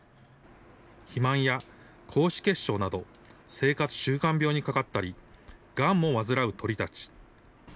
肥満や高脂血症など、生活習慣病にかかったり、がんも患う鳥たち。